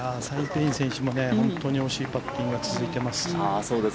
ペイイン選手も本当に惜しいパッティングが続いています。